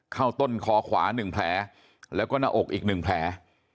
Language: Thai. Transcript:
เข้าต้นคอขวา๑แผลแล้วก็หน้าอกอีก๑แผล